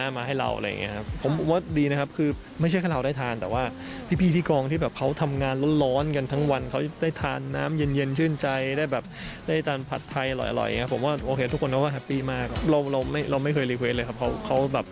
มันแบบแน่นเลยครับโอ้โฮแล้วแบบ